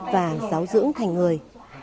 và giáo dưỡng thành người